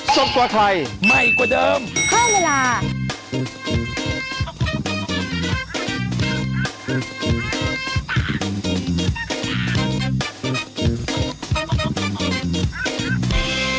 สวัสดีครับ